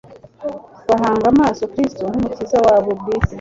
bahanga amaso Kristo nk'Umukiza wabo bwite